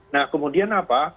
nah kemudian apa